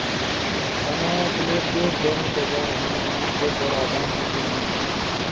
انا کلپ پیر تھونو پکار ہنو۔ عام طور در آدامو بینو